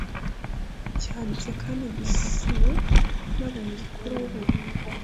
cyanditse kandi gisinywe n abunzi kuri buri